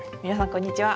こんにちは。